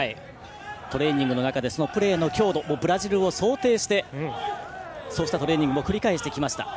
トレーニングの中でプレーの強度ブラジルを想定してそうしたトレーニングも繰り返してきました。